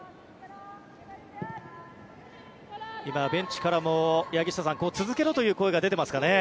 今、ベンチからも柳下さん続けろという声が出ていますかね。